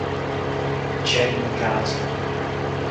Jane Ghartey.